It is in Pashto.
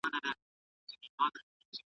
موږ باید د واقعیتونو پر بنسټ پرېکړې وکړو.